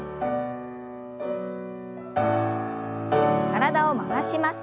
体を回します。